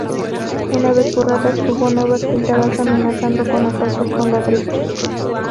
Una vez borradas, hubo nuevas pintadas amenazando con ataques con ladrillos.